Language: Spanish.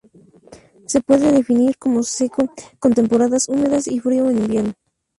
Se puede definir como seco con temporadas húmedas y frío en invierno.